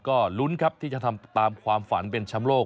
ก็ลุ้นครับที่จะทำตามความฝันเป็นแชมป์โลก